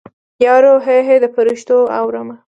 یارو هی هی د فریشتو اورمه